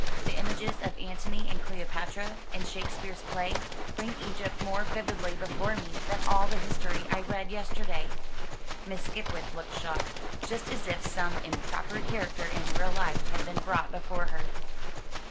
The images of Antony and Cleopatra, in Shakespeare's play, bring Egypt more vividly before me than all the history I read yesterday." Miss Skipwith looked shocked, just as if some improper character in real life had been brought before her.